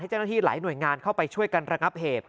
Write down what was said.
เจ้าหน้าที่หลายหน่วยงานเข้าไปช่วยกันระงับเหตุ